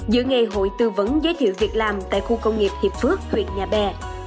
giữa ngày hội tư vấn giới thiệu việc làm tại khu công nghiệp hiệp phước huyện nhà bè